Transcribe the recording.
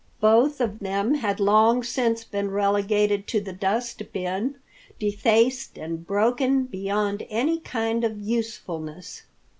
Both of them had long since been relegated to the dust bin, defaced and broken beyond any kind of usefulness.